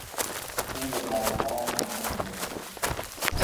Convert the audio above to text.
او به برادرش نامه نوشت.